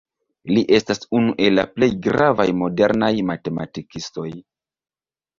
Li estas unu el la plej gravaj modernaj matematikistoj.